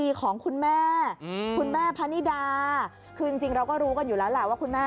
ของคุณแม่คุณแม่พะนิดาคือจริงเราก็รู้กันอยู่แล้วแหละว่าคุณแม่